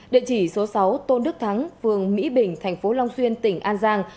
địa chỉ số sáu tôn đức thắng phường mỹ bình thành phố long xuyên tỉnh an giang